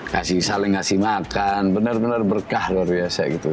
kasih saling ngasih makan benar benar berkah luar biasa gitu